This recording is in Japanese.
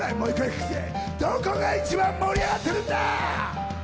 どこが一番盛り上がってるんだ？！